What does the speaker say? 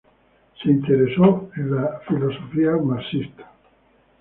Se interesó en la ideología marxista.